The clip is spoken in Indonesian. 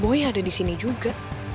gue ada di sini juga